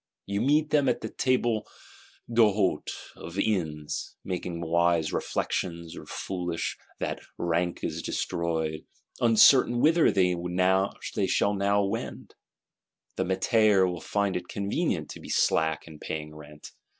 You meet them at the tables d'hôte of inns; making wise reflections or foolish that "rank is destroyed;" uncertain whither they shall now wend. The métayer will find it convenient to be slack in paying rent.